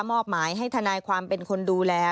มอบหมายให้ทางทางนาคย์เป็นคนดูแล